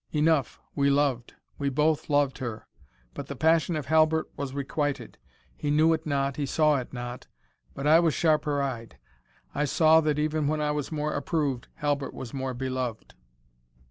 Enough, we loved we both loved her! But the passion of Halbert was requited. He knew it not, he saw it not but I was sharper eyed. I saw that even when I was more approved, Halbert was more beloved.